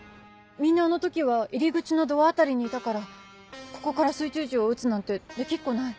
みんなあの時は入り口のドア辺りにいたからここから水中銃を撃つなんてできっこない。